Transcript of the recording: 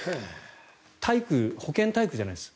体育、保健体育じゃないです。